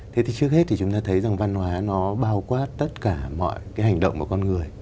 thế thì trước hết thì chúng ta thấy rằng văn hóa nó bao quát tất cả mọi cái hành động của con người